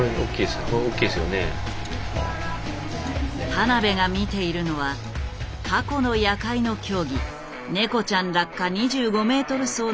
田邊が見ているのは過去の夜会の競技ネコちゃん落下２５ｍ走の走るネコちゃん。